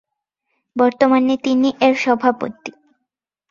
বর্তমানে তিনি এর সভাপতি।